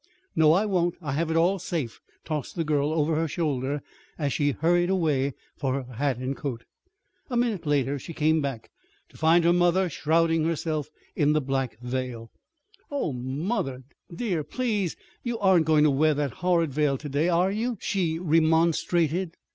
"No, I won't. I have it all safe," tossed the girl over her shoulder, as she hurried away for her hat and coat. A minute later she came back to find her mother shrouding herself in the black veil. "Oh, mother, dear, please! You aren't going to wear that horrid veil to day, are you?" she remonstrated.